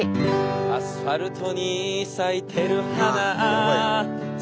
「アスファルトに咲いてる花好き」